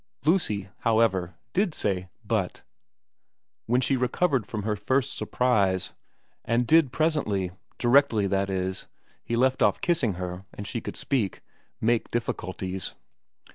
Lucy, however, did say, ' But ' when she XII VERA 135 recovered from her first surprise, and did presently directly, that is, he left off kissing her and she could speak make difficulties.